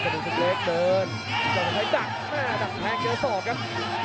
กระโดยสิ้งเล็กนี่ออกกันขาสันเหมือนกันครับ